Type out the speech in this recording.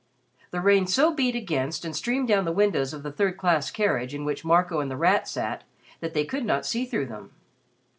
The rain so beat against and streamed down the windows of the third class carriage in which Marco and The Rat sat that they could not see through them.